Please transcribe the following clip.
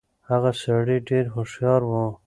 هغه سړی ډېر هوښيار و.